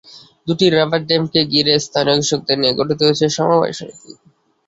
দুটি রাবার ড্যামকে ঘিরে স্থানীয় কৃষকদের নিয়ে গঠিত হয়েছে সমবায় সমিতি।